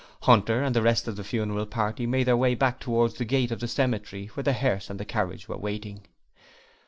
Hunter and the rest of the funeral party made their way back towards the gate of the cemetery where the hearse and the carriage were waiting.